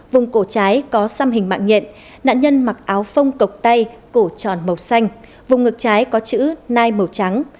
vùng cổ trái có xăm hình mạng nhện nạn nhân mặc áo phông cọc tay cổ tròn màu xanh vùng ngực trái có chữ nai màu trắng